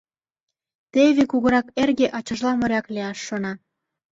Теве кугурак эрге ачажла моряк лияш шона.